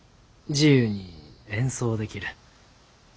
自由に演奏できる。